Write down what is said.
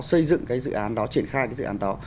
xây dựng cái dự án đó triển khai cái dự án đó